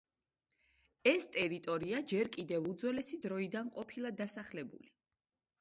ეს ტერიტორია ჯერ კიდევ უძველესი დროიდან ყოფილა დასახლებული.